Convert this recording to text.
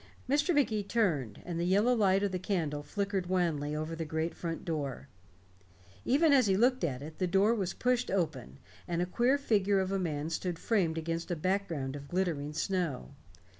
Mr. Magee turned, and the yellow light of the candle flickered wanly over the great front door Even as he looked at it, the door was pushed open, and a queer figure of a man stood framed against a background of glittering snow.